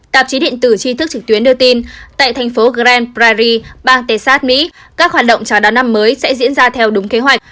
tạp chí điện tử tri thức trực tuyến đưa tin tại thành phố grand pri bang texas mỹ các hoạt động chào đón năm mới sẽ diễn ra theo đúng kế hoạch